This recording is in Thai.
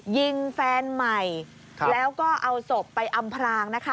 ยิงแฟนใหม่แล้วก็เอาศพไปอำพรางนะคะ